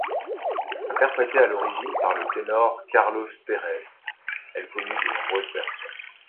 Interprétée à l'origine par le ténor Carlos Pérez, elle connut de nombreuses versions.